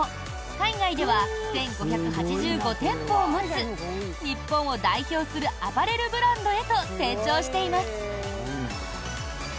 海外では１５８５店舗を持つ日本を代表するアパレルブランドへと成長しています。